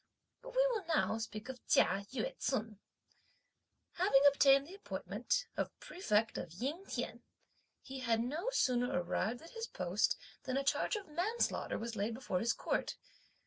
But we will now speak of Chia Yü ts'un. Having obtained the appointment of Prefect of Ying T'ien, he had no sooner arrived at his post than a charge of manslaughter was laid before his court.